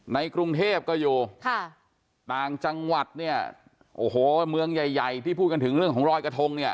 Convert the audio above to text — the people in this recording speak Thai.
ในกรุงเทพก็อยู่ค่ะต่างจังหวัดเนี่ยโอ้โหเมืองใหญ่ใหญ่ที่พูดกันถึงเรื่องของรอยกระทงเนี่ย